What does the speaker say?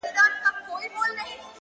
• زما ونه له تا غواړي راته؛